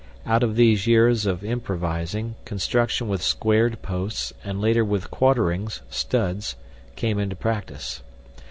Out of these years of improvising, construction with squared posts, and later with quarterings (studs), came into practice.